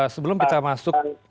sebelum kita masuk